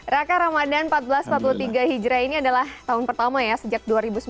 raka ramadan seribu empat ratus empat puluh tiga hijrah ini adalah tahun pertama ya sejak dua ribu sembilan belas